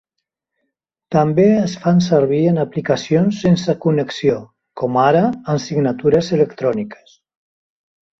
També es fan servir en aplicacions sense connexió, com ara amb signatures electròniques.